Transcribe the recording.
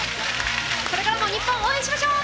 これからも日本応援しましょう！